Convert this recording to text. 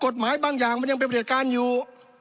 กฎหมายบางอย่างมันยังเป็นประเด็จการอยู่